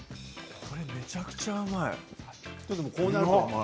これ、めちゃくちゃ甘い。